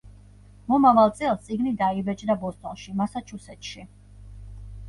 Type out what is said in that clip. მომავალ წელს წიგნი დაიბეჭდა ბოსტონში, მასაჩუსეტსში.